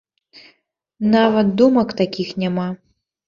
Нават думак такіх няма!